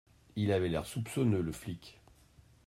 Il avait l’air soupçonneux, le flic.